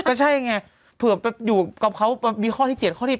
ก็ใช่ไงเผื่ออยู่แบบครอบคราวมีครอบที่๗ครอบที่๘